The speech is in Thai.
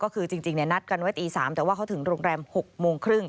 ก็คือจริงนัดกันไว้ตี๓แต่ว่าเขาถึงโรงแรม๖โมงครึ่ง